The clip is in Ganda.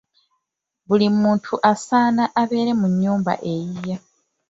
Buli muntu asaana abeere mu nnyumba eyiye.